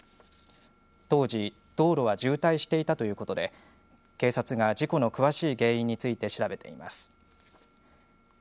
当時、道路は渋滞していたということで警察が事故の詳しい原因について調べています。